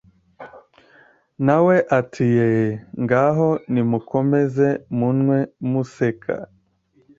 Nawe ati yeee, ngaho nimukomeze munywe munseka,